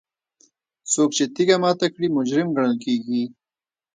څوک چې تیږه ماته کړي مجرم ګڼل کیږي.